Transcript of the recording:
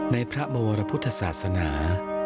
ในพระบวรพุทธศาสนา